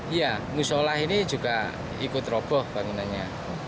iya musola ini juga ikut roboh bangunannya